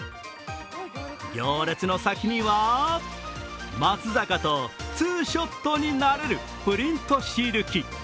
行列の先には松坂とツーショットになれるプリントシール機。